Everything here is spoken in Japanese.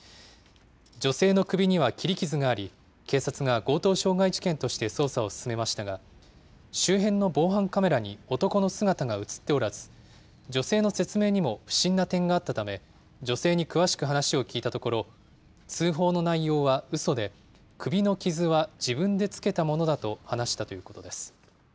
女性の首には切り傷があり、警察が強盗傷害事件として捜査を進めましたが、周辺の防犯カメラに男の姿が写っておらず、女性の説明にも不審な点があったため、女性に詳しく話を聞いたところ、通報の内容はうそで、首の傷は自分でつけたものだと話したということです。